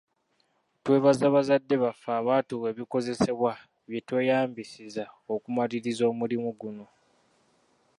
Twebaza bazadde baffe abaatuwa ebikozesebwa bye tweyambisizza okumaliriza omulimu guno.